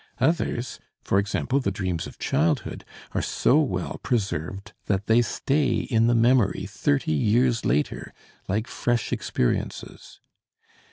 Others, for example, the dreams of childhood, are so well preserved that they stay in the memory thirty years later, like fresh experiences.